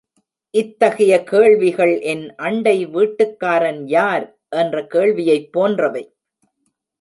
இத்தகைய கேள்விகள், என் அண்டை வீட்டுக்காரன் யார்? என்ற கேள்வியைப் போன்றவை.